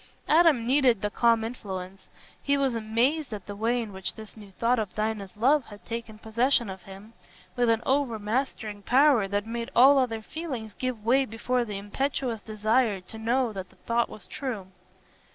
Adam needed the calm influence; he was amazed at the way in which this new thought of Dinah's love had taken possession of him, with an overmastering power that made all other feelings give way before the impetuous desire to know that the thought was true.